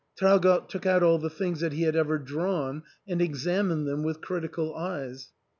" Traugott took out all the things that he had ever drawn and examined them with critical eyes.